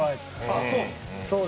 ああそう？